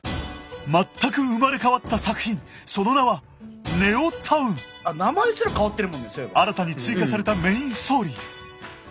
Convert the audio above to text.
全く生まれ変わった作品その名は新たに追加されたメインストーリー。